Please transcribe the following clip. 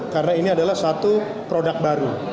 karena ini adalah satu produk baru